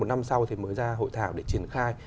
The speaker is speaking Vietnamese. bộ đoàn hóa thế giao và du lịch mới ra hội thảo để triển khai